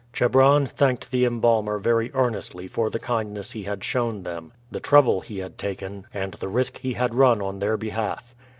Chebron thanked the embalmer very earnestly for the kindness he had shown them, the trouble he had taken, and the risk he had run on their behalf.